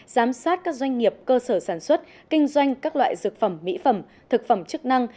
giám sát các doanh nghiệp cơ sở sản xuất kinh doanh các loại dược phẩm mỹ phẩm thực phẩm chức năng